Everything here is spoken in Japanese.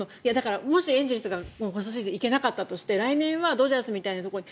もしエンゼルスがポストシーズン行けなかったとして来年はドジャースみたいなところに。